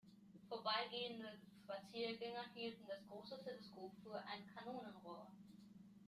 Vorbeigehende Spaziergänger hielten das große Teleskop für ein Kanonenrohr.